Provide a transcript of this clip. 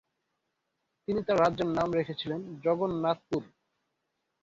তিনি তার রাজ্যের নাম রেখেছিলেন জগন্নাথপুর।